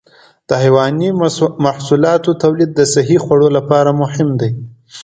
د حيواني محصولاتو تولید د صحي خوړو لپاره مهم دی.